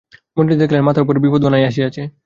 মন্ত্রী দেখিলেন, মাথার উপরে বিপদ ঘনাইয়া আসিয়াছে।